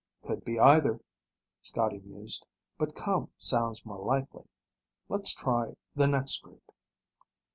'" "Could be either," Scotty mused. "But 'come' sounds more likely. Let's try the next group."